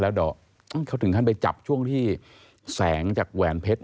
แล้วเขาถึงขั้นไปจับช่วงที่แสงจากแหวนเพชร